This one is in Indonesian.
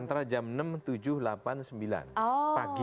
antara jam enam tujuh delapan sembilan pagi